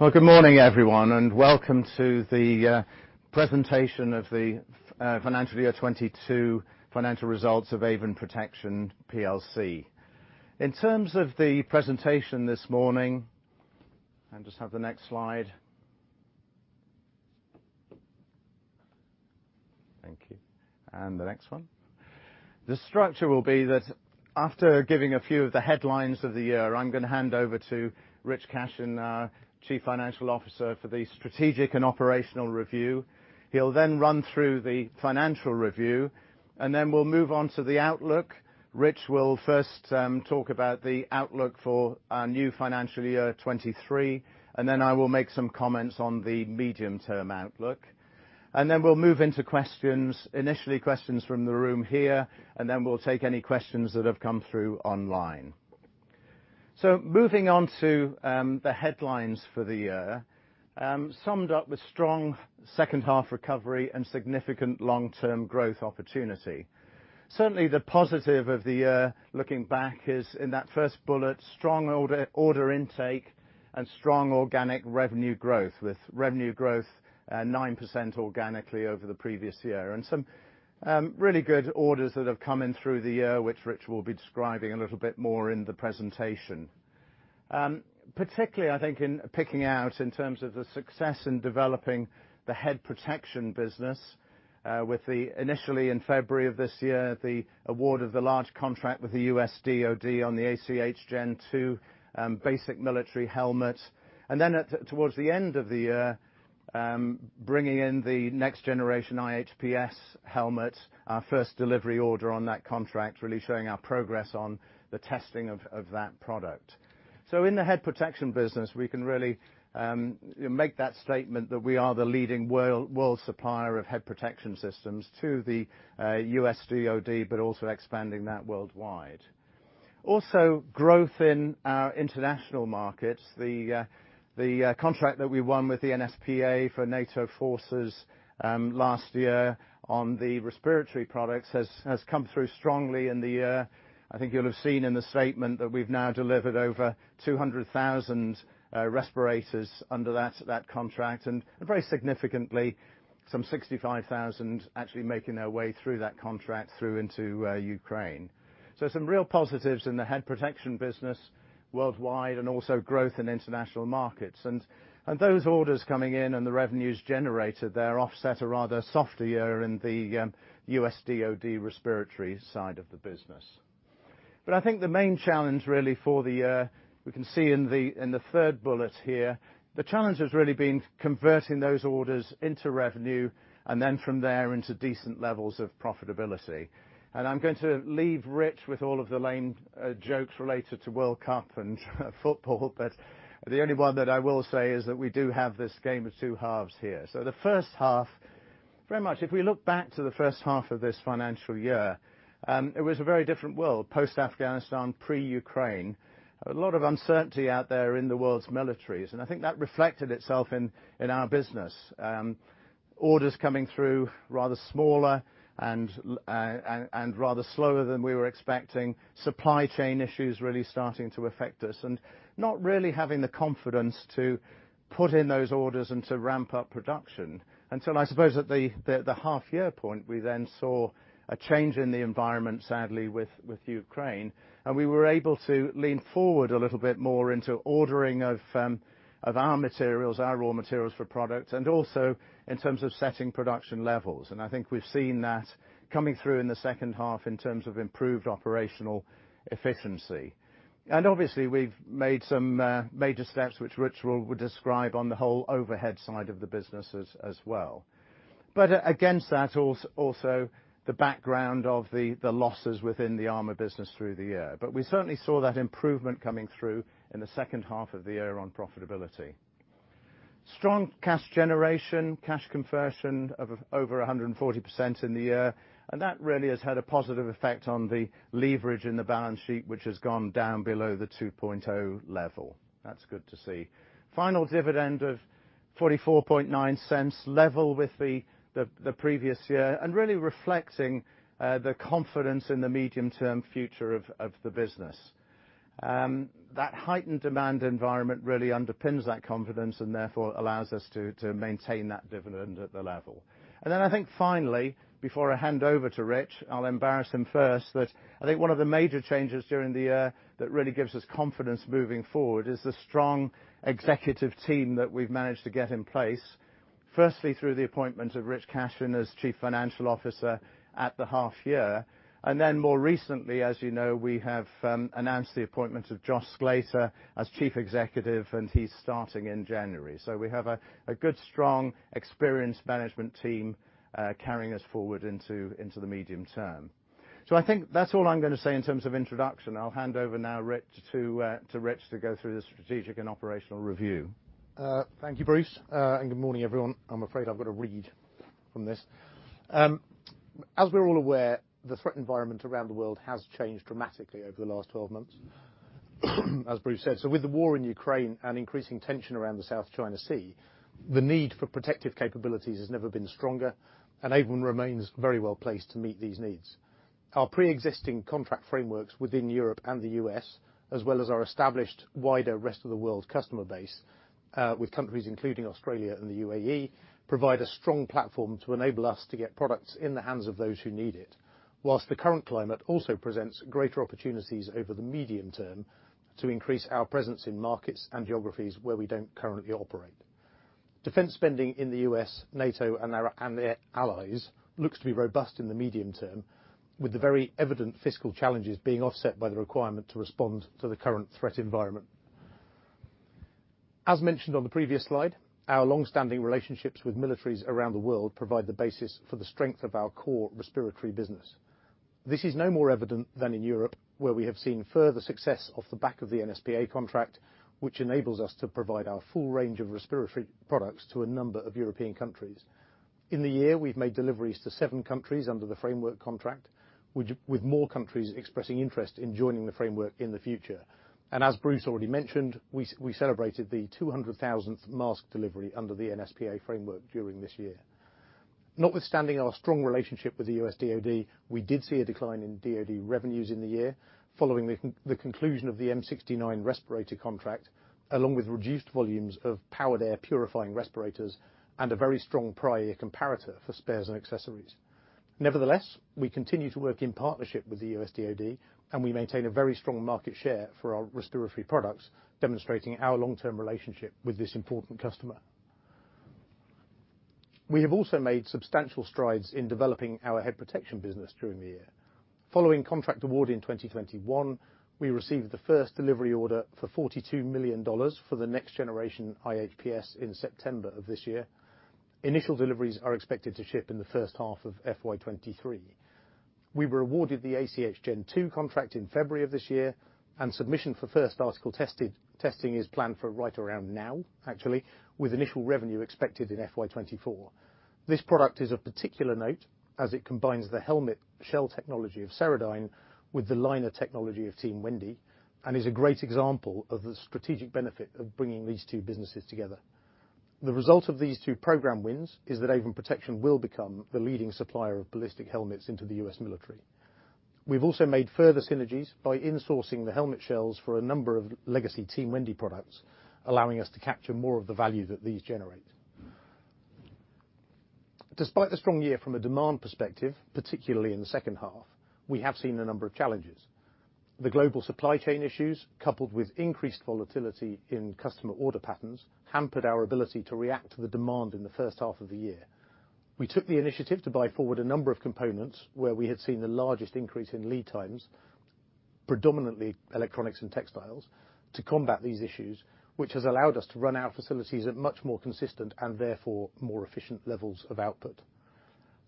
Well, good morning, everyone, and welcome to the presentation of the financial year 2022 financial results of Avon Protection PLC. In terms of the presentation this morning. I'll just have the next slide. Thank you. The next one. The structure will be that after giving a few of the headlines of the year, I'm gonna hand over to Rich Cashin, our Chief Financial Officer for the strategic and operational review. He'll then run through the financial review, and then we'll move on to the outlook. Rich will first talk about the outlook for our new financial year 2023, and then I will make some comments on the medium-term outlook. We'll move into questions. Initially, questions from the room here, and then we'll take any questions that have come through online. Moving on to the headlines for the year, summed up with strong second half recovery and significant long-term growth opportunity. Certainly the positive of the year, looking back, is in that first bullet, strong order intake and strong organic revenue growth with revenue growth 9% organically over the previous year and some really good orders that have come in through the year, which Rich will be describing a little bit more in the presentation. Particularly I think in picking out in terms of the success in developing the head protection business, with the initially in February of this year, the award of the large contract with the U.S. DoD on the ACH Gen II basic military helmet. Towards the end of the year, bringing in the Next Generation IHPS helmet, our first delivery order on that contract, really showing our progress on the testing of that product. In the head protection business, we can really make that statement that we are the leading world supplier of head protection systems to the U.S. DoD but also expanding that worldwide. Growth in our international markets. The contract that we won with the NSPA for NATO forces last year on the respiratory products has come through strongly in the year. I think you'll have seen in the statement that we've now delivered over 200,000 respirators under that contract, and very significantly some 65,000 actually making their way through that contract through into Ukraine. Some real positives in the head protection business worldwide and also growth in international markets. Those orders coming in and the revenues generated there offset a rather softer year in the U.S. DoD respiratory side of the business. I think the main challenge really for the year, we can see in the third bullet here, the challenge has really been converting those orders into revenue and then from there into decent levels of profitability. I'm going to leave Rich with all of the lame jokes related to World Cup and football but the only one that I will say is that we do have this game of two halves here. The first half, very much if we look back to the first half of this financial year, it was a very different world post Afghanistan, pre Ukraine. A lot of uncertainty out there in the world's militaries, and I think that reflected itself in our business. Orders coming through rather smaller and rather slower than we were expecting, supply chain issues really starting to affect us, and not really having the confidence to put in those orders and to ramp up production. Until I suppose at the half year point, we then saw a change in the environment, sadly with Ukraine, and we were able to lean forward a little bit more into ordering of our materials, our raw materials for products, and also in terms of setting production levels. I think we've seen that coming through in the second half in terms of improved operational efficiency. Obviously we've made some major steps which Rich will describe on the whole overhead side of the business as well. Against that also the background of the losses within the armor business through the year. We certainly saw that improvement coming through in the second half of the year on profitability. Strong cash generation, cash conversion of over 140% in the year, and that really has had a positive effect on the leverage in the balance sheet which has gone down below the 2.0 level. That's good to see. Final dividend of $0.449 level with the previous year and really reflecting the confidence in the medium-term future of the business. That heightened demand environment really underpins that confidence and therefore allows us to maintain that dividend at the level. I think finally, before I hand over to Rich, I'll embarrass him first, that I think one of the major changes during the year that really gives us confidence moving forward is the strong executive team that we've managed to get in place. Firstly through the appointment of Rich Cashin as Chief Financial Officer at the half year. More recently, as you know, we have announced the appointment of Jos Sclater as Chief Executive and he's starting in January. We have a good strong, experienced management team, carrying us forward into the medium term. I think that's all I'm gonna say in terms of introduction. I'll hand over now Rich, to Rich to go through the strategic and operational review. Thank you, Bruce. Good morning, everyone. I'm afraid I've got to read from this. As we're all aware, the threat environment around the world has changed dramatically over the last 12 months, as Bruce said. With the war in Ukraine and increasing tension around the South China Sea, the need for protective capabilities has never been stronger, and Avon remains very well placed to meet these needs. Our pre-existing contract frameworks within Europe and the U.S., as well as our established wider rest-of-the-world customer base, with countries including Australia and the UAE, provide a strong platform to enable us to get products in the hands of those who need it. The current climate also presents greater opportunities over the medium term to increase our presence in markets and geographies where we don't currently operate. Defense spending in the U.S., NATO, and their allies looks to be robust in the medium term, with the very evident fiscal challenges being offset by the requirement to respond to the current threat environment. As mentioned on the previous slide, our long-standing relationships with militaries around the world provide the basis for the strength of our core respiratory business. This is no more evident than in Europe, where we have seen further success off the back of the NSPA contract, which enables us to provide our full range of respiratory products to a number of European countries. In the year, we've made deliveries to seven countries under the framework contract, which, with more countries expressing interest in joining the framework in the future. As Bruce already mentioned, we celebrated the 200,000th mask delivery under the NSPA framework during this year. Notwithstanding our strong relationship with the U.S. DoD, we did see a decline in DoD revenues in the year following the conclusion of the M69 respirator contract, along with reduced volumes of Powered Air Purifying Respirators and a very strong prior comparator for spares and accessories. Nevertheless, we continue to work in partnership with the U.S. DoD, and we maintain a very strong market share for our respiratory products, demonstrating our long-term relationship with this important customer. We have also made substantial strides in developing our head protection business during the year. Following contract award in 2021, we received the first delivery order for $42 million for the Next Generation IHPS in September of this year. Initial deliveries are expected to ship in the first half of FY 2023. We were awarded the ACH Gen II contract in February of this year, and submission for first article tested, testing is planned for right around now, actually, with initial revenue expected in FY 2024. This product is of particular note, as it combines the helmet shell technology of Ceradyne with the liner technology of Team Wendy, and is a great example of the strategic benefit of bringing these two businesses together. The result of these two program wins is that Avon Protection will become the leading supplier of ballistic helmets into the U.S. military. We've also made further synergies by insourcing the helmet shells for a number of legacy Team Wendy products, allowing us to capture more of the value that these generate. Despite the strong year from a demand perspective, particularly in the second half, we have seen a number of challenges. The global supply chain issues, coupled with increased volatility in customer order patterns, hampered our ability to react to the demand in the first half of the year. We took the initiative to buy forward a number of components where we had seen the largest increase in lead times, predominantly electronics and textiles, to combat these issues, which has allowed us to run our facilities at much more consistent and therefore more efficient levels of output.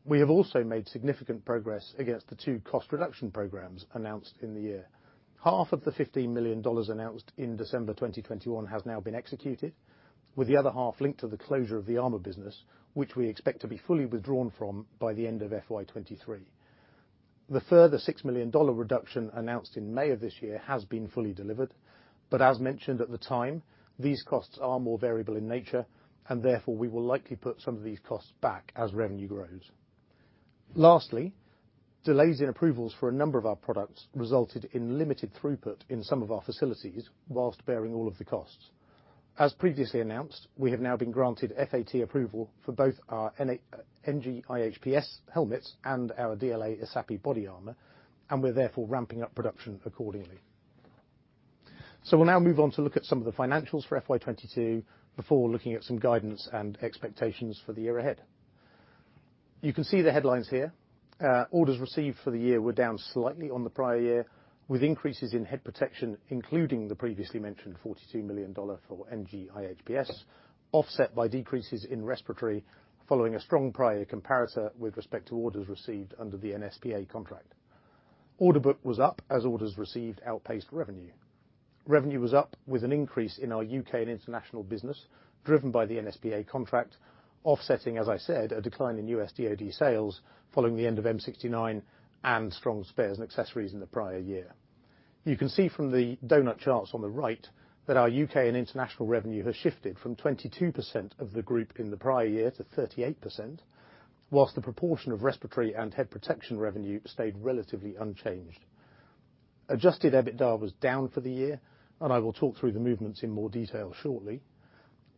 We have also made significant progress against the two cost reduction programs announced in the year. Half of the $15 million announced in December 2021 has now been executed, with the other half linked to the closure of the armor business, which we expect to be fully withdrawn from by the end of FY 2023. The further $6 million reduction announced in May of this year has been fully delivered. As mentioned at the time, these costs are more variable in nature and therefore we will likely put some of these costs back as revenue grows. Lastly, delays in approvals for a number of our products resulted in limited throughput in some of our facilities whilst bearing all of the costs. As previously announced, we have now been granted FAT approval for both our NG IHPS helmets and our DLA ESAPI body armor, and we're therefore ramping up production accordingly. We'll now move on to look at some of the financials for FY 2022 before looking at some guidance and expectations for the year ahead. You can see the headlines here. Orders received for the year were down slightly on the prior year, with increases in head protection, including the previously mentioned $42 million for NG IHPS, offset by decreases in respiratory following a strong prior comparator with respect to orders received under the NSPA contract. Order book was up as orders received outpaced revenue. Revenue was up with an increase in our U.K. and international business, driven by the NSPA contract, offsetting, as I said, a decline in U.S. DoD sales following the end of M69 and strong spares and accessories in the prior year. You can see from the donut charts on the right that our U.K. and international revenue has shifted from 22% of the group in the prior year to 38%, whilst the proportion of respiratory and head protection revenue stayed relatively unchanged. Adjusted EBITDA was down for the year, and I will talk through the movements in more detail shortly.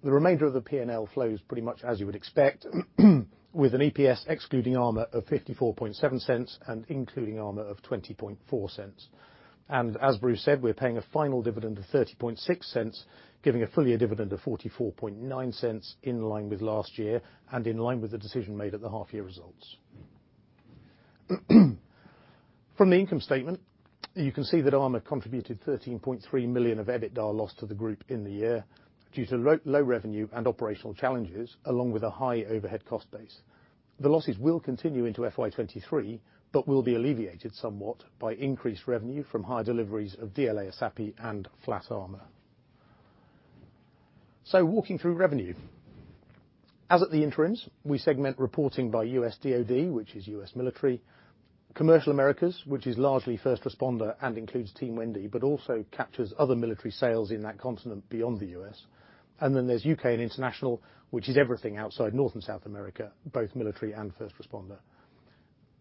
The remainder of the P&L flows pretty much as you would expect, with an EPS excluding armor of $0.547 and including armor of $0.204. As Bruce said, we're paying a final dividend of $0.306, giving a full year dividend of $0.449 in line with last year and in line with the decision made at the half year results. From the income statement, you can see that armor contributed $13.3 million of EBITDA loss to the group in the year due to low revenue and operational challenges along with a high overhead cost base. The losses will continue into FY 2023, but will be alleviated somewhat by increased revenue from higher deliveries of DLA ESAPI and flat armor. Walking through revenue, as at the interims, we segment reporting by U.S. DoD, which is U.S. Military, Commercial Americas, which is largely first responder and includes Team Wendy, but also captures other military sales in that continent beyond the U.S. There's U.K. and International, which is everything outside North and South America, both military and first responder.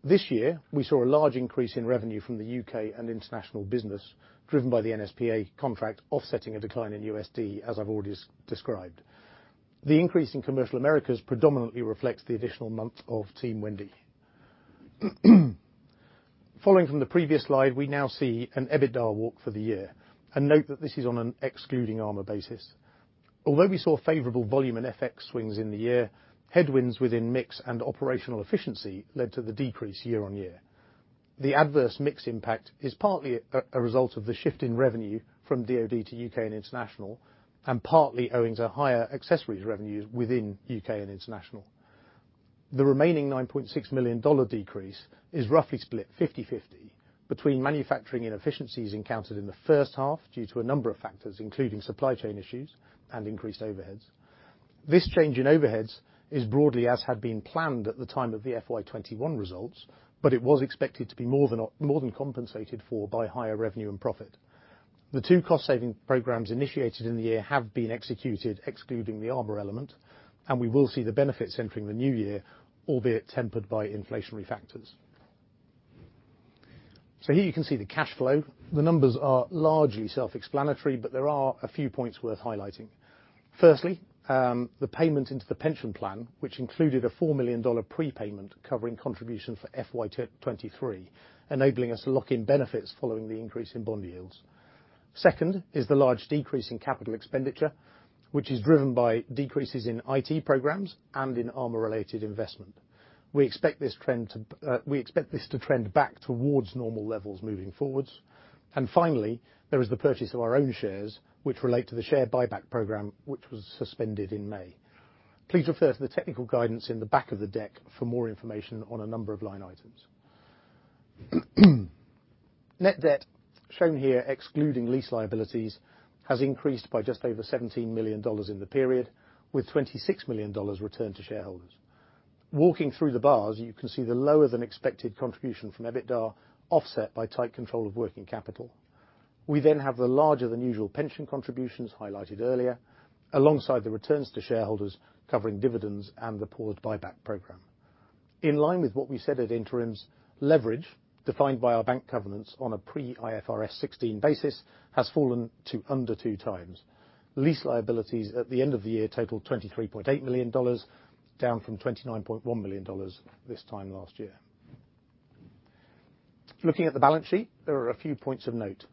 This year, we saw a large increase in revenue from the U.K. and international business, driven by the NSPA contract offsetting a decline in USD, as I've already described. The increase in commercial Americas predominantly reflects the additional months of Team Wendy. Following from the previous slide, we now see an EBITDA walk for the year. Note that this is on an excluding armor basis. Although we saw favorable volume and FX swings in the year, headwinds within mix and operational efficiency led to the decrease year on year. The adverse mix impact is partly a result of the shift in revenue from DoD to U.K. and International, and partly owing to higher accessories revenues within U.K. and International. The remaining $9.6 million decrease is roughly split 50/50 between manufacturing inefficiencies encountered in the first half due to a number of factors, including supply chain issues and increased overheads. This change in overheads is broadly as had been planned at the time of the FY 2021 results, but it was expected to be more than compensated for by higher revenue and profit. The two cost-saving programs initiated in the year have been executed excluding the armor element, and we will see the benefits entering the new year, albeit tempered by inflationary factors. Here you can see the cash flow. The numbers are largely self-explanatory, but there are a few points worth highlighting. Firstly, the payment into the pension plan, which included a $4 million prepayment covering contribution for FY 2023, enabling us to lock in benefits following the increase in bond yields. Second is the large decrease in capital expenditure, which is driven by decreases in IT programs and in armor-related investment. We expect this to trend back towards normal levels moving forwards. Finally, there is the purchase of our own shares, which relate to the share buyback program, which was suspended in May. Please refer to the technical guidance in the back of the deck for more information on a number of line items. Net debt, shown here excluding lease liabilities, has increased by just over $17 million in the period, with $26 million returned to shareholders. Walking through the bars, you can see the lower than expected contribution from EBITDA offset by tight control of working capital. We have the larger than usual pension contributions highlighted earlier, alongside the returns to shareholders covering dividends and the paused buyback program. In line with what we said at interims, leverage, defined by our bank covenants on a pre-IFRS 16 basis, has fallen to under 2x. Lease liabilities at the end of the year totaled $23.8 million, down from $29.1 million this time last year. Looking at the balance sheet, there are a few points of note.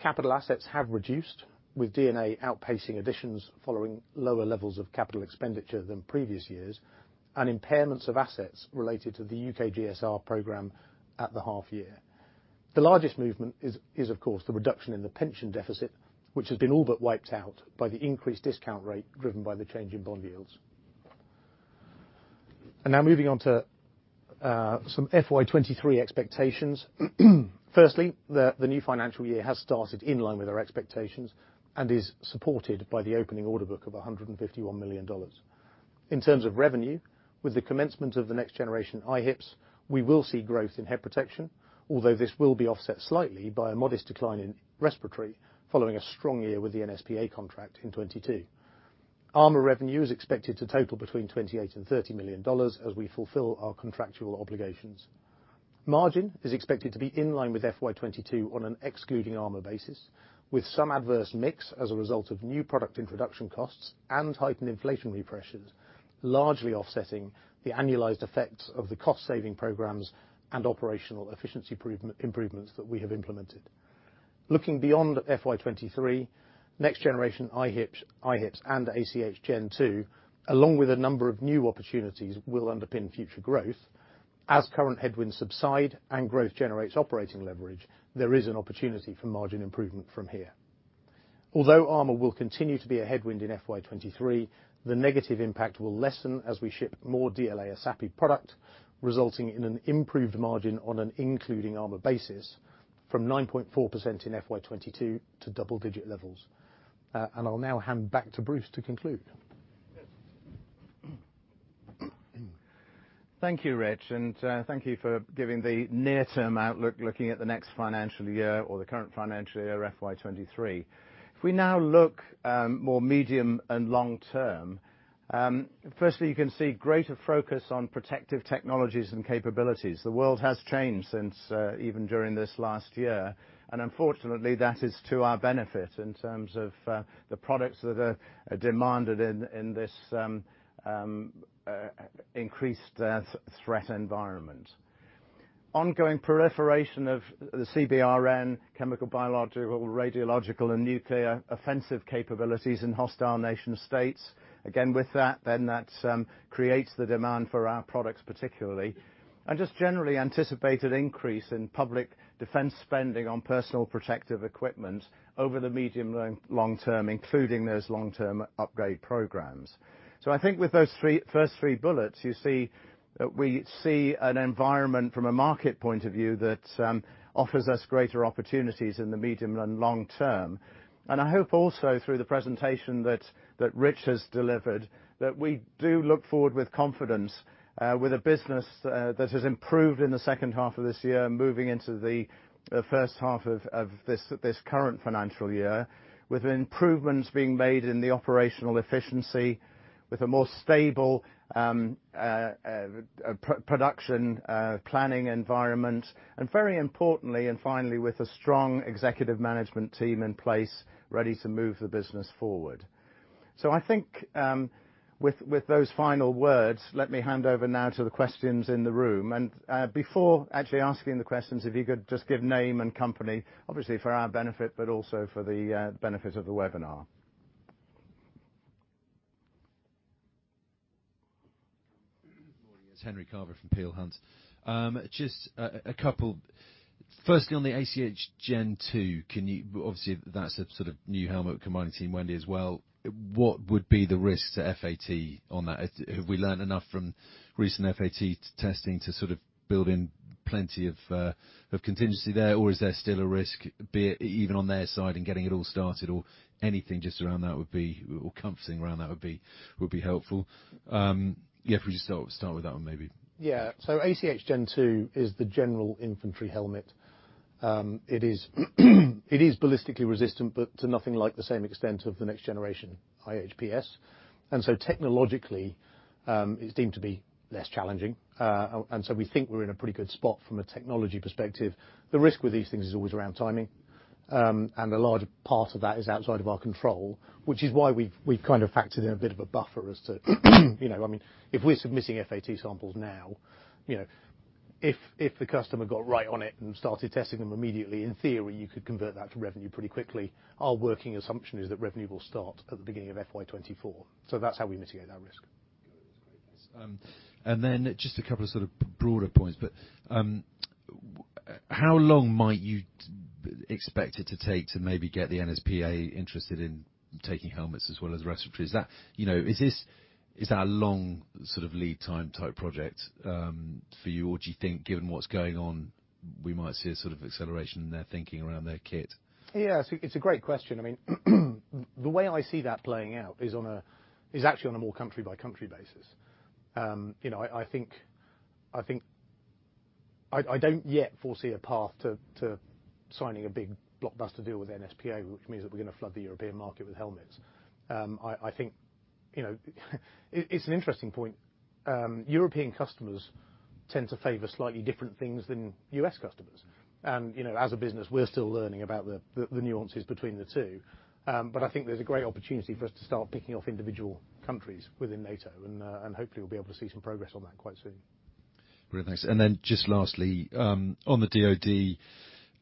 Capital assets have reduced with D&A outpacing additions following lower levels of capital expenditure than previous years and impairments of assets related to the UK GSR program at the half year. The largest movement is of course the reduction in the pension deficit, which has been all but wiped out by the increased discount rate driven by the change in bond yields. Moving on to some FY 2023 expectations. Firstly, the new financial year has started in line with our expectations and is supported by the opening order book of $151 million. In terms of revenue, with the commencement of the Next Generation IHPS, we will see growth in head protection, although this will be offset slightly by a modest decline in respiratory following a strong year with the NSPA contract in 2022. Armor revenue is expected to total between $28 million and $30 million as we fulfill our contractual obligations. Margin is expected to be in line with FY 2022 on an excluding armor basis, with some adverse mix as a result of new product introduction costs and heightened inflationary pressures, largely offsetting the annualized effects of the cost-saving programs and operational efficiency improvements that we have implemented. Looking beyond FY 2023, Next Generation IHPS and ACH Gen II, along with a number of new opportunities, will underpin future growth. As current headwinds subside and growth generates operating leverage, there is an opportunity for margin improvement from here. Although armor will continue to be a headwind in FY 2023, the negative impact will lessen as we ship more DLA ESAPI product, resulting in an improved margin on an including armor basis from 9.4% in FY 2022 to double-digit levels. I'll now hand back to Bruce to conclude. Thank you, Rich, and thank you for giving the near-term outlook looking at the next financial year or the current financial year, FY 2023. If we now look more medium and long term, firstly, you can see greater focus on protective technologies and capabilities. The world has changed since even during this last year, and unfortunately, that is to our benefit in terms of the products that are demanded in this increased threat environment. Ongoing proliferation of the CBRN, chemical, biological, radiological, and nuclear offensive capabilities in hostile nation states. Again, with that, then that creates the demand for our products particularly Just generally anticipated increase in public defense spending on personal protective equipment over the medium long term, including those long-term upgrade programs. I think with those first three bullets, you see, we see an environment from a market point of view that offers us greater opportunities in the medium and long term. I hope also through the presentation that Rich has delivered, that we do look forward with confidence, with a business that has improved in the second half of this year, moving into the first half of this current financial year, with improvements being made in the operational efficiency, with a more stable production planning environment, and very importantly, and finally, with a strong executive management team in place ready to move the business forward. I think, with those final words, let me hand over now to the questions in the room. Before actually asking the questions, if you could just give name and company, obviously, for our benefit, but also for the benefit of the webinar. Good morning. It's Henry Carver from Peel Hunt. Just a couple. Firstly, on the ACH Gen II, can you. Obviously, that's a sort of new helmet combining Team Wendy as well. What would be the risk to FAT on that? Have we learned enough from recent FAT testing to sort of build in plenty of contingency there? Or is there still a risk, be it even on their side in getting it all started or anything just around that would be, or comforting around that would be helpful? Yeah, if we just start with that one, maybe. ACH Gen II is the general infantry helmet. It is ballistically resistant, but to nothing like the same extent of the Next Generation IHPS. Technologically, it's deemed to be less challenging. We think we're in a pretty good spot from a technology perspective. The risk with these things is always around timing, and a large part of that is outside of our control, which is why we've kind of factored in a bit of a buffer as to, you know, I mean, if we're submitting FAT samples now, you know, if the customer got right on it and started testing them immediately, in theory, you could convert that to revenue pretty quickly. Our working assumption is that revenue will start at the beginning of FY 2024. That's how we mitigate that risk. Got it. That's great. Just a couple of sort of broader points. How long might you expect it to take to maybe get the NSPA interested in taking helmets as well as respirators? Is that, you know, is that a long sort of lead time type project, for you? Or do you think, given what's going on, we might see a sort of acceleration in their thinking around their kit? Yeah. It's a great question. I mean, the way I see that playing out is actually on a more country-by-country basis. You know, I don't yet foresee a path to signing a big blockbuster deal with NSPA, which means that we're gonna flood the European market with helmets. I think, you know, it's an interesting point. European customers tend to favor slightly different things than U.S. customers. You know, as a business, we're still learning about the nuances between the two. I think there's a great opportunity for us to start picking off individual countries within NATO, and hopefully we'll be able to see some progress on that quite soon. Great. Thanks. Then just lastly, on the DoD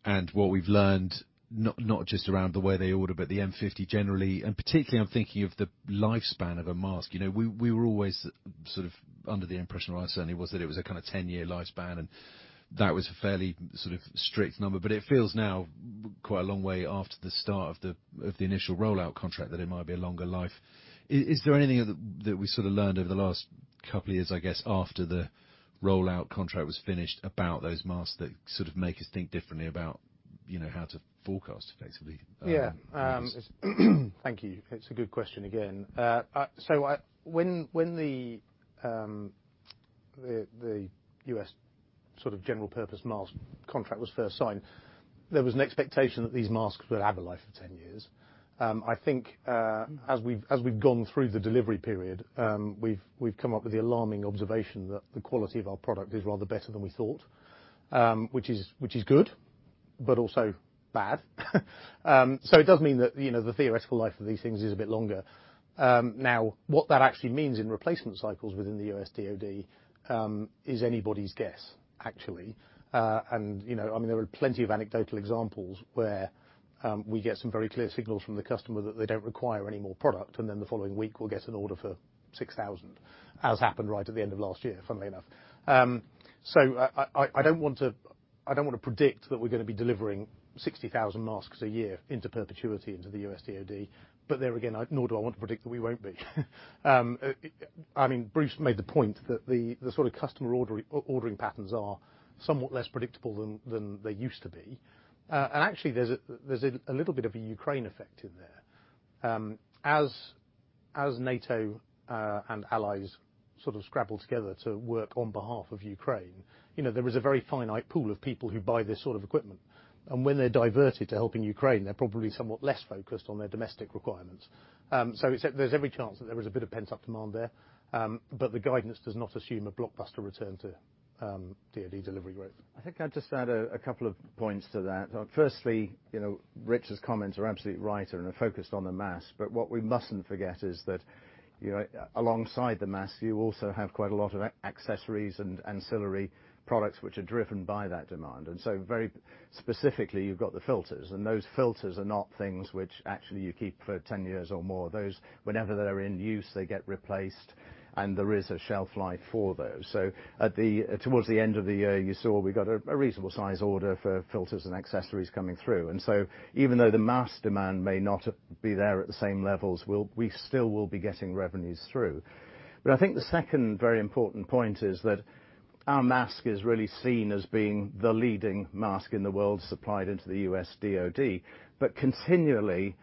and what we've learned, not just around the way they order, but the M50 generally, and particularly I'm thinking of the lifespan of a mask. You know, we were always sort of under the impression, or I certainly was, that it was a kinda 10-year lifespan, and that was a fairly sort of strict number. It feels now quite a long way after the start of the, of the initial rollout contract that it might be a longer life. Is there anything that we sorta learned over the last couple of years, I guess, after the rollout contract was finished about those masks that sort of make us think differently about, you know, how to forecast effectively, I guess? Yeah. Thank you. It's a good question again. When the U.S. sort of general purpose mask contract was first signed, there was an expectation that these masks would have a life of 10 years. I think, as we've gone through the delivery period, we've come up with the alarming observation that the quality of our product is rather better than we thought, which is good, but also bad. It does mean that, you know, the theoretical life of these things is a bit longer. Now, what that actually means in replacement cycles within the U.S. DoD, is anybody's guess, actually. You know, I mean, there are plenty of anecdotal examples where we get some very clear signals from the customer that they don't require any more product, and then the following week we'll get an order for 6,000, as happened right at the end of last year, funnily enough. I don't want to predict that we're gonna be delivering 60,000 masks a year into perpetuity into the U.S. DoD, but there again, I nor do I want to predict that we won't be. I mean, Bruce made the point that the sort of customer ordering patterns are somewhat less predictable than they used to be. Actually there's a little bit of a Ukraine effect in there. As NATO and allies sort of scrabble together to work on behalf of Ukraine, you know, there is a very finite pool of people who buy this sort of equipment. When they're diverted to helping Ukraine, they're probably somewhat less focused on their domestic requirements. There's every chance that there is a bit of pent-up demand there. The guidance does not assume a blockbuster return to DoD delivery growth. I think I'd just add a couple of points to that. Firstly, you know, Rich's comments are absolutely right and are focused on the mask, but what we mustn't forget is that, you know, alongside the mask, you also have quite a lot of accessories and ancillary products which are driven by that demand. Very specifically, you've got the filters, and those filters are not things which actually you keep for 10 years or more. Those, whenever they're in use, they get replaced, and there is a shelf life for those. So towards the end of the year, you saw we got a reasonable size order for filters and accessories coming through. Even though the mask demand may not be there at the same levels, we still will be getting revenues through. I think the second very important point is that our mask is really seen as being the leading mask in the world supplied into the U.S. DoD. Continually,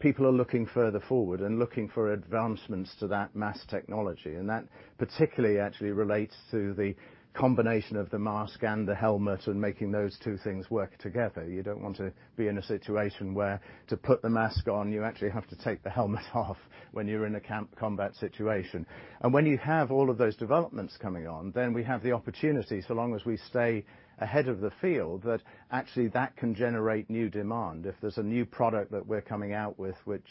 people are looking further forward and looking for advancements to that mask technology, and that particularly actually relates to the combination of the mask and the helmet and making those two things work together. You don't want to be in a situation where to put the mask on, you actually have to take the helmet off when you're in a camp combat situation. When you have all of those developments coming on, then we have the opportunity, so long as we stay ahead of the field, that actually that can generate new demand. If there's a new product that we're coming out with which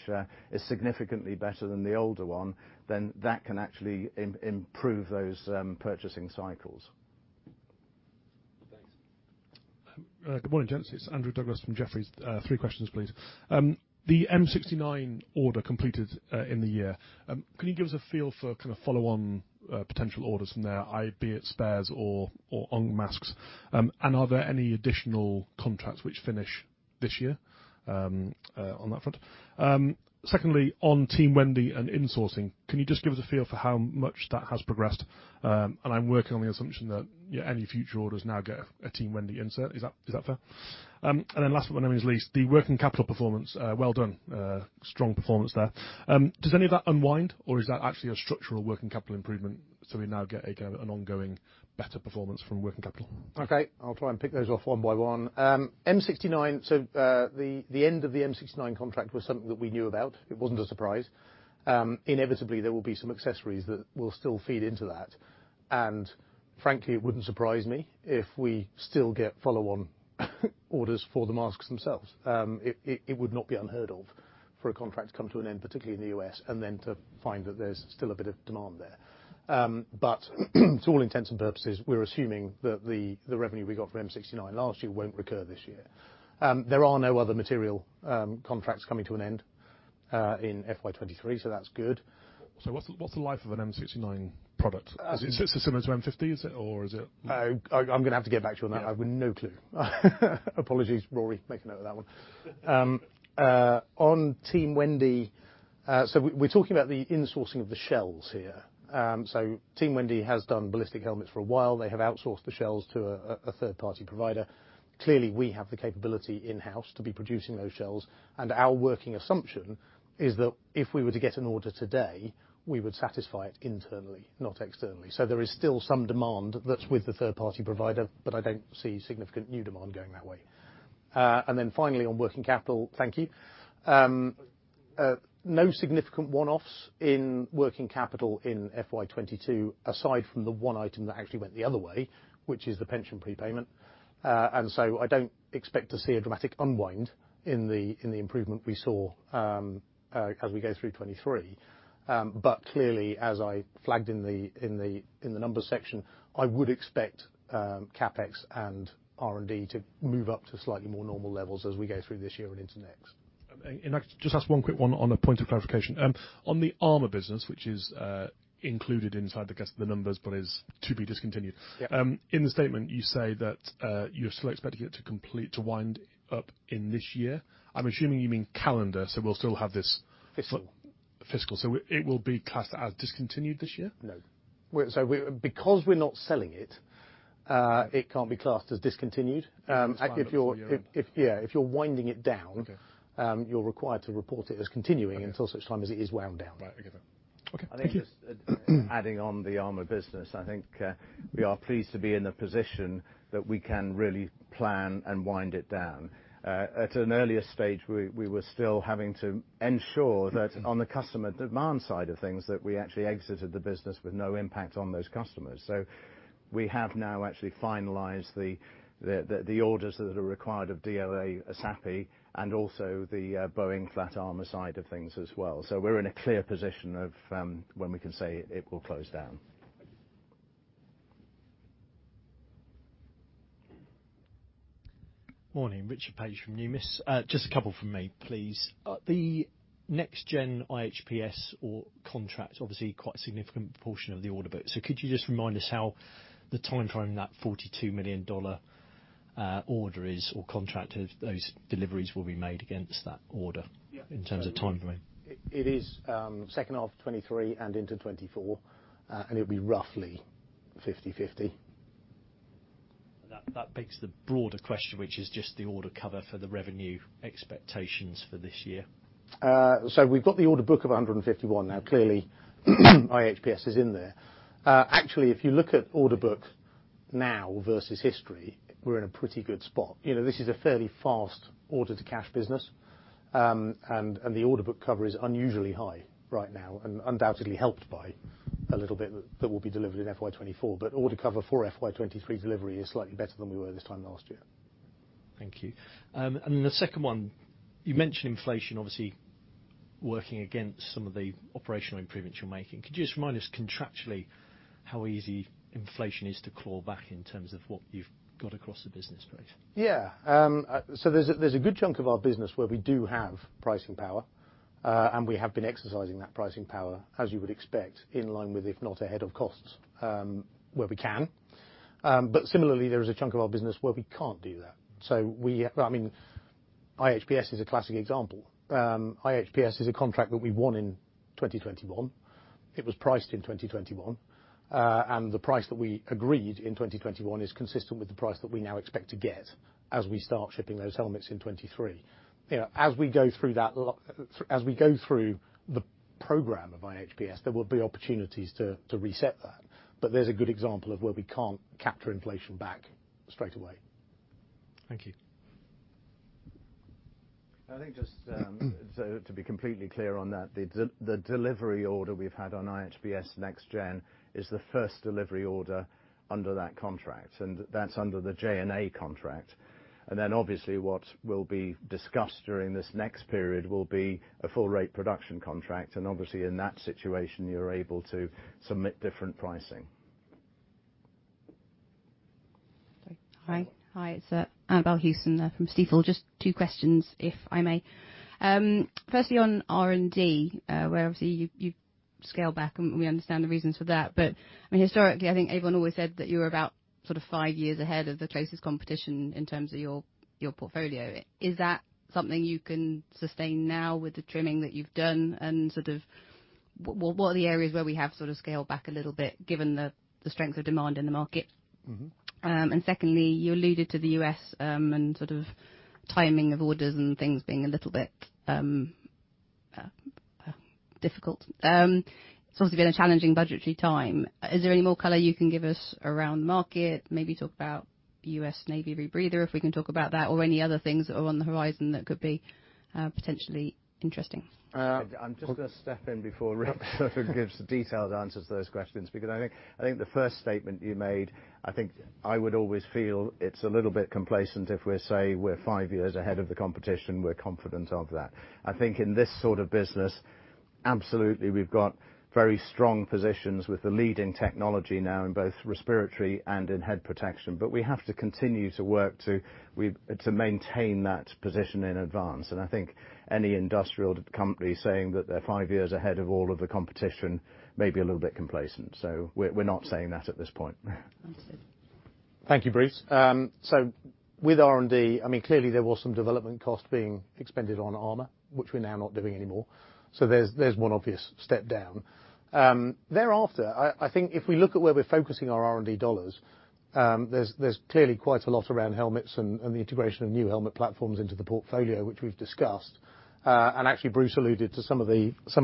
is significantly better than the older one, then that can actually improve those purchasing cycles. Thanks. Good morning, gents. It's Andrew Douglas from Jefferies. Three questions, please. The M69 order completed in the year. Can you give us a feel for kind of follow-on potential orders from there, i.e., be it spares or on masks? Are there any additional contracts which finish this year on that front? Secondly, on Team Wendy and insourcing, can you just give us a feel for how much that has progressed? I'm working on the assumption that, yeah, any future orders now get a Team Wendy insert. Is that fair? Then last but not least, the working capital performance, well done. Strong performance there. Does any of that unwind, or is that actually a structural working capital improvement, so we now get an ongoing better performance from working capital? Okay, I'll try and pick those off one by one. M69, the end of the M69 contract was something that we knew about. It wasn't a surprise. Inevitably, there will be some accessories that will still feed into that. Frankly, it wouldn't surprise me if we still get follow-on orders for the masks themselves. It would not be unheard of for a contract to come to an end, particularly in the U.S., and then to find that there's still a bit of demand there. To all intents and purposes, we're assuming that the revenue we got from M69 last year won't recur this year. There are no other material contracts coming to an end in FY 2023, that's good. What's the life of an M69 product? Is it similar to M50, or is it? I'm gonna have to get back to you on that. Yeah. I've no clue. Apologies, Rory. Make a note of that one. On Team Wendy, we're talking about the insourcing of the shells here. Team Wendy has done ballistic helmets for a while. They have outsourced the shells to a third-party provider. Clearly, we have the capability in-house to be producing those shells, and our working assumption is that if we were to get an order today, we would satisfy it internally, not externally. There is still some demand that's with the third-party provider, but I don't see significant new demand going that way. Finally on working capital, thank you. No significant one-offs in working capital in FY 2022, aside from the one item that actually went the other way, which is the pension prepayment. I don't expect to see a dramatic unwind in the improvement we saw as we go through 2023. Clearly, as I flagged in the numbers section, I would expect CapEx and R&D to move up to slightly more normal levels as we go through this year and into next. Can I just ask one quick one on a point of clarification? On the armor business, which is included inside the, I guess, the numbers, but is to be discontinued? Yeah In the statement, you say that you're still expecting it to complete, to wind up in this year. I'm assuming you mean calendar, so we'll still have. Fiscal. Fiscal. It will be classed as discontinued this year? No. Because we're not selling it can't be classed as discontinued. Actually, if, yeah, if you're winding it down. Okay. You're required to report it as continuing- Okay Until such time as it is wound down. Right. I get that. Okay. Thank you. I think just adding on the armor business, I think, we are pleased to be in the position that we can really plan and wind it down. At an earlier stage, we were still having to ensure that on the customer demand side of things, that we actually exited the business with no impact on those customers. We have now actually finalized the orders that are required of DLA ESAPI, and also the Boeing flat armor side of things as well. We're in a clear position of when we can say it will close down. Thank you. Morning, Richard Page from Numis. Just a couple from me, please. The Next Gen IHPS or contract, obviously quite a significant portion of the order book. Could you just remind us how the timeframe of that $42 million order is or contract of those deliveries will be made against that order- Yeah In terms of timeframe? It is, second half of 2023 and into 2024, and it'll be roughly 50/50. That begs the broader question, which is just the order cover for the revenue expectations for this year. We've got the order book of 151. Now, clearly, IHPS is in there. Actually, if you look at order book now versus history, we're in a pretty good spot. You know, this is a fairly fast order-to-cash business. And the order book cover is unusually high right now and undoubtedly helped by a little bit that will be delivered in FY 2024. Order cover for FY 2023 delivery is slightly better than we were this time last year. Thank you. The second one, you mentioned inflation obviously working against some of the operational improvements you're making. Could you just remind us contractually how easy inflation is to claw back in terms of what you've got across the business, please? Yeah. There's a good chunk of our business where we do have pricing power. We have been exercising that pricing power as you would expect in line with, if not ahead of costs where we can. Similarly, there is a chunk of our business where we can't do that. I mean, IHPS is a classic example. IHPS is a contract that we won in 2021. It was priced in 2021. The price that we agreed in 2021 is consistent with the price that we now expect to get as we start shipping those helmets in 2023. You know, as we go through the program of IHPS, there will be opportunities to reset that. There's a good example of where we can't capture inflation back straightaway. Thank you. I think just, so to be completely clear on that, the delivery order we've had on IHPS Next Gen is the first delivery order under that contract, and that's under the J&A contract. Then obviously what will be discussed during this next period will be a full rate production contract, and obviously in that situation, you're able to submit different pricing. Sorry. Hi. Hi. It's Annabel Samimy from Stifel. Just two questions, if I may. Firstly on R&D, where obviously you've scaled back and we understand the reasons for that. I mean, historically, I think everyone always said that you were about sort of five years ahead of the traces competition in terms of your portfolio. Is that something you can sustain now with the trimming that you've done? Sort of what are the areas where we have sort of scaled back a little bit given the strength of demand in the market? Mm-hmm. Secondly, you alluded to the U.S., and sort of timing of orders and things being a little bit difficult. It's obviously been a challenging budgetary time. Is there any more color you can give us around market? Maybe talk about U.S. Navy rebreather, if we can talk about that, or any other things that are on the horizon that could be potentially interesting. I'm just gonna step in before Rick gives the detailed answers to those questions, because I think the first statement you made, I think I would always feel it's a little bit complacent if we say we're five years ahead of the competition, we're confident of that. I think in this sort of business, absolutely, we've got very strong positions with the leading technology now in both respiratory and in head protection. We have to continue to work to maintain that position in advance. I think any industrial company saying that they're five years ahead of all of the competition may be a little bit complacent. We're not saying that at this point. Understood. Thank you, Bruce. With R&D, I mean, clearly, there was some development cost being expended on armor, which we're now not doing anymore. There's one obvious step down. Thereafter, I think if we look at where we're focusing our R&D dollars, there's clearly quite a lot around helmets and the integration of new helmet platforms into the portfolio, which we've discussed. Actually, Bruce alluded to some of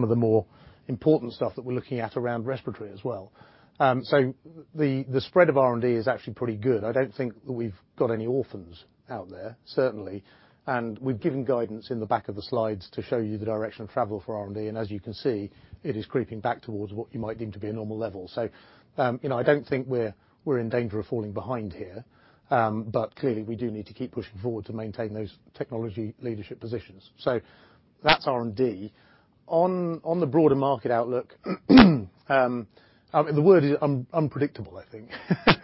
the more important stuff that we're looking at around respiratory as well. The spread of R&D is actually pretty good. I don't think we've got any orphans out there, certainly. We've given guidance in the back of the slides to show you the direction of travel for R&D. As you can see, it is creeping back towards what you might deem to be a normal level. You know, I don't think we're in danger of falling behind here. Clearly, we do need to keep pushing forward to maintain those technology leadership positions. That's R&D. On the broader market outlook, the word is unpredictable, I think.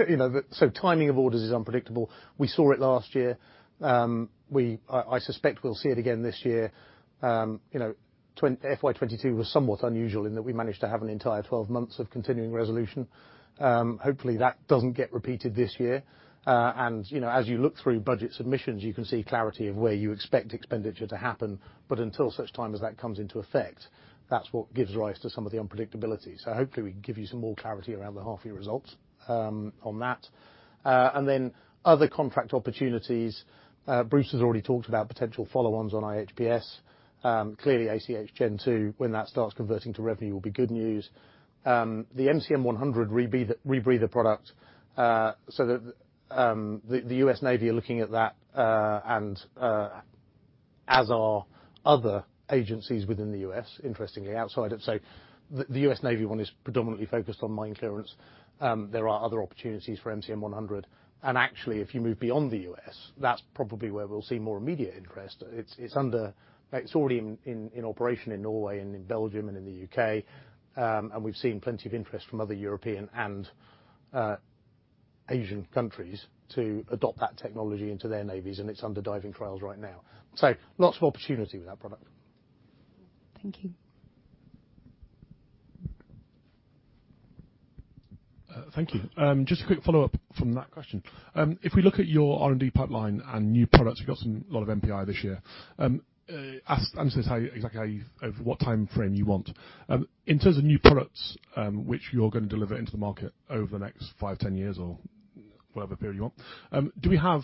You know, timing of orders is unpredictable. We saw it last year. I suspect we'll see it again this year. You know, FY 2022 was somewhat unusual in that we managed to have an entire 12 months of continuing resolution. Hopefully, that doesn't get repeated this year. You know, as you look through budget submissions, you can see clarity of where you expect expenditure to happen. Until such time as that comes into effect, that's what gives rise to some of the unpredictability. Hopefully, we can give you some more clarity around the half-year results on that. Other contract opportunities, Bruce has already talked about potential follow-ons on IHPS. Clearly, ACH Gen II, when that starts converting to revenue, will be good news. The MCM100 rebreather product, the U.S. Navy are looking at that, as are other agencies within the U.S., interestingly, outside of... The U.S. Navy one is predominantly focused on mine clearance. There are other opportunities for MCM100. Actually, if you move beyond the U.S., that's probably where we'll see more immediate interest. It's already in operation in Norway and in Belgium and in the U.K. We've seen plenty of interest from other European and Asian countries to adopt that technology into their navies, and it's under diving trials right now. Lots of opportunity with that product. Thank you. Thank you. Just a quick follow-up from that question. If we look at your R&D pipeline and new products, we got some, lot of NPI this year. Answer us how, exactly how you, over what time frame you want. In terms of new products, which you're gonna deliver into the market over the next five, 10 years or whatever period you want, do we have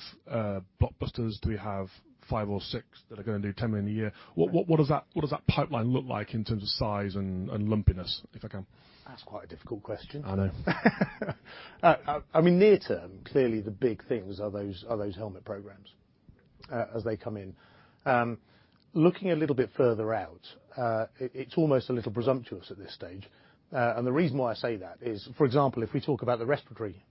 blockbusters? Do we have five or six that are gonna do $10 million a year? What does that pipeline look like in terms of size and lumpiness, if I can? That's quite a difficult question. I know. I mean, near term, clearly the big things are those helmet programs as they come in. Looking a little bit further out, it's almost a little presumptuous at this stage. The reason why I say that is, for example, if we talk about the respiratory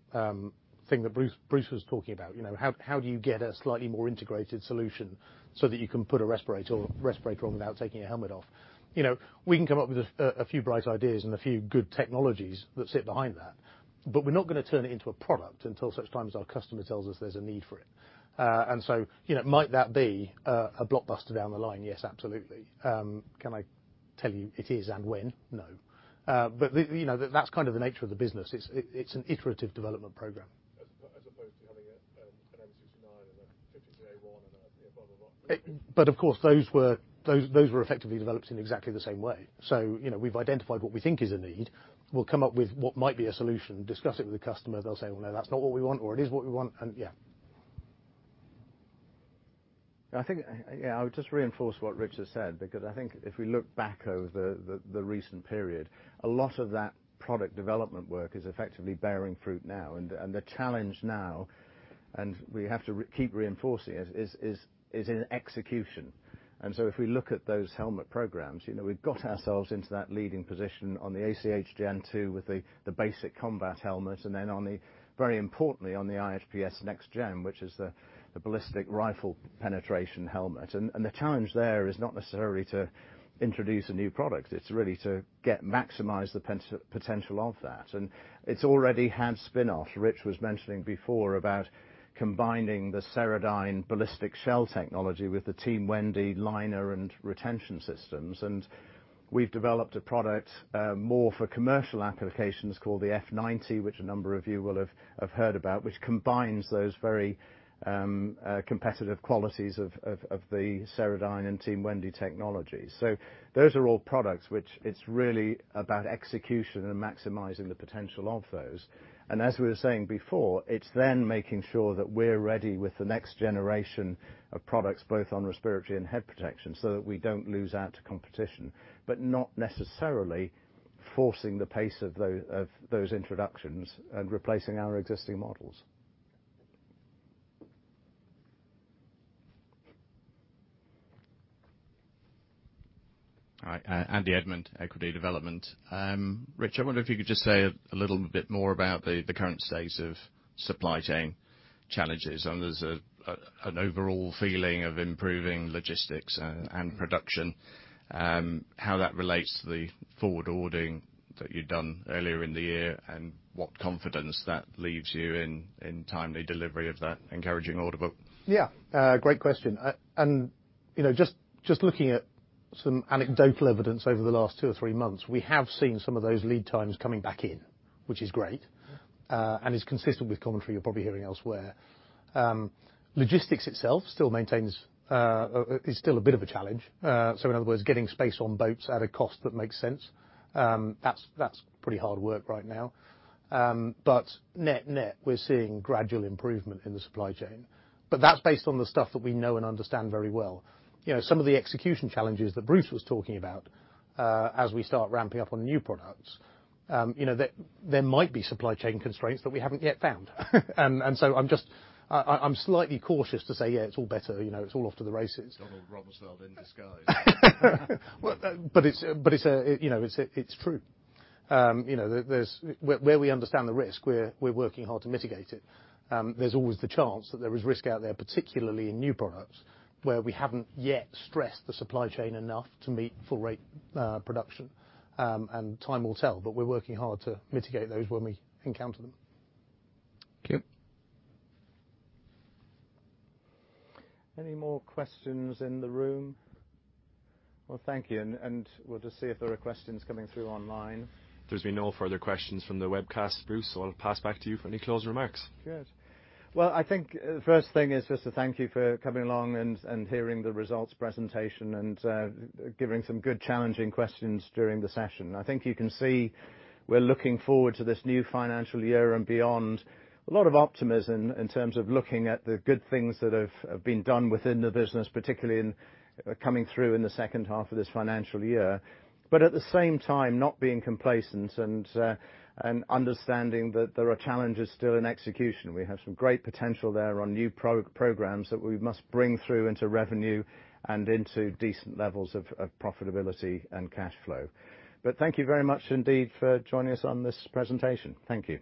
thing that Bruce was talking about, you know, how do you get a slightly more integrated solution so that you can put a respirator on without taking a helmet off? You know, we can come up with a few bright ideas and a few good technologies that sit behind that, we're not gonna turn it into a product until such time as our customer tells us there's a need for it. You know, might that be a blockbuster down the line? Yes, absolutely. Can I tell you it is and when? No. You know, that's kind of the nature of the business. It's an iterative development program. As opposed to having a, an M69 and a M52A1 and a, blah, blah. Of course those were effectively developed in exactly the same way. You know, we've identified what we think is a need. We'll come up with what might be a solution, discuss it with the customer. They'll say, "Well, no, that's not what we want," or, "It is what we want," and yeah. I think, yeah, I would just reinforce what Rich has said because I think if we look back over the, the recent period, a lot of that product development work is effectively bearing fruit now. The challenge now, and we have to keep reinforcing it is, is in execution. If we look at those helmet programs, you know, we've got ourselves into that leading position on the ACH Gen II with the basic combat helmet, and then on the, very importantly, on the IHPS Next Gen, which is the ballistic rifle penetration helmet. The challenge there is not necessarily to introduce a new product. It's really to get maximize the potential of that. It's already had spinoff. Rich was mentioning before about combining the Ceradyne ballistic shell technology with the Team Wendy liner and retention systems. We've developed a product more for commercial applications called the F90, which a number of you will have heard about, which combines those very competitive qualities of the Ceradyne and Team Wendy technology. Those are all products which it's really about execution and maximizing the potential of those. As we were saying before, it's then making sure that we're ready with the next generation of products, both on respiratory and head protection, so that we don't lose out to competition, but not necessarily forcing the pace of those introductions and replacing our existing models. All right. Andy Edmond, Equity Development. Rich, I wonder if you could just say a little bit more about the current state of supply chain challenges. I mean, there's an overall feeling of improving logistics and production, how that relates to the forward ordering that you'd done earlier in the year, and what confidence that leaves you in timely delivery of that encouraging order book. Yeah. Great question. You know, just looking at some anecdotal evidence over the last two or three months, we have seen some of those lead times coming back in, which is great, and is consistent with commentary you're probably hearing elsewhere. Logistics itself still maintains, is still a bit of a challenge. In other words, getting space on boats at a cost that makes sense, that's pretty hard work right now. Net-net, we're seeing gradual improvement in the supply chain, but that's based on the stuff that we know and understand very well. You know, some of the execution challenges that Bruce was talking about, as we start ramping up on the new products, you know, there might be supply chain constraints that we haven't yet found. I'm just, I'm slightly cautious to say, "Yeah, it's all better," you know, "It's all off to the races. Donald Rumsfeld in disguise. Well, it's, you know, it's true. You know, where we understand the risk, we're working hard to mitigate it. There's always the chance that there is risk out there, particularly in new products, where we haven't yet stressed the supply chain enough to meet full rate production. Time will tell, but we're working hard to mitigate those when we encounter them. Thank you. Any more questions in the room? Well, thank you, and we'll just see if there are questions coming through online. There's been no further questions from the webcast, Bruce, so I'll pass back to you for any closing remarks. Good. Well, I think first thing is just to thank you for coming along and giving some good challenging questions during the session. I think you can see we're looking forward to this new financial year and beyond. A lot of optimism in terms of looking at the good things that have been done within the business, particularly coming through in the second half of this financial year, but at the same time not being complacent and understanding that there are challenges still in execution. We have some great potential there on new programs that we must bring through into revenue and into decent levels of profitability and cash flow. Thank you very much indeed for joining us on this presentation. Thank you.